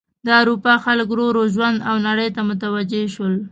د اروپا خلک ورو ورو ژوند او نړۍ ته متوجه شول.